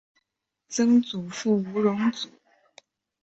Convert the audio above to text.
曾祖父吴荣祖。